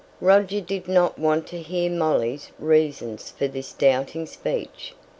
Roger did not want to hear Molly's reasons for this doubting speech.